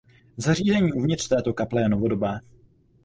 Zařízení uvnitř této kaple je novodobé.